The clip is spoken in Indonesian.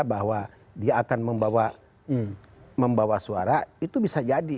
bahwa dia akan membawa suara itu bisa jadi